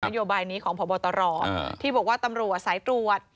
คันโยบายนี้ของพบตรที่บอกว่าปรับสายตรวจ